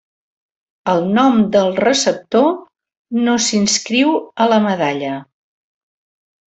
El nom del receptor no s'inscriu a la medalla.